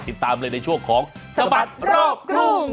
ติดตามเลยในช่วงของสบัดรอบกรุง